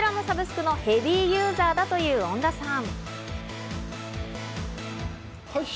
こちらのサブスクのヘビーユーザーだという恩田さん。